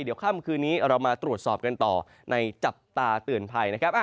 เดี๋ยวค่ำคืนนี้เรามาตรวจสอบกันต่อในจับตาเตือนภัยนะครับ